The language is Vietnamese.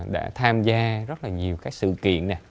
đã tham gia rất là nhiều các sự kiện